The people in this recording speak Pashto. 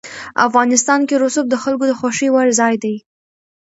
افغانستان کې رسوب د خلکو د خوښې وړ ځای دی.